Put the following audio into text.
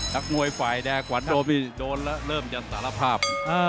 นักมวยฝ่ายแดกฝ่านโดมนี่โดนว่าเริ่มรันสารภาพ